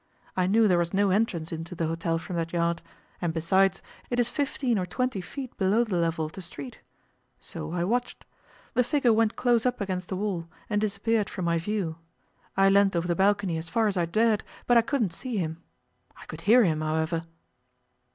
I knew there was no entrance into the hotel from that yard, and besides, it is fifteen or twenty feet below the level of the street. So I watched. The figure went close up against the wall, and disappeared from my view. I leaned over the balcony as far as I dared, but I couldn't see him. I could hear him, however.